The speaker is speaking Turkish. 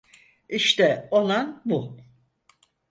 İşte olan bu.